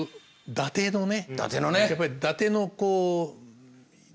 伊達のね。